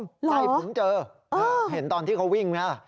ใจผมเจอเห็นตอนที่เขาวิ่งนะฮ่า